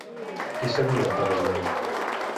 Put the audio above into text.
Qui sabia on pararia?